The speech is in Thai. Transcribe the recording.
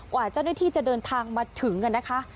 กว่าจะได้ที่จะเดินทางมาถึงกันนะคะ